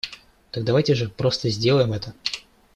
Так давайте же просто сделаем это!